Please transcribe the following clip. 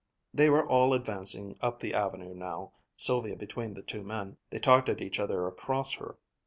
They were all advancing up the avenue now, Sylvia between the two men. They talked at each other across her.